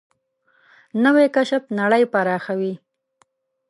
نوې کشف نړۍ پراخوي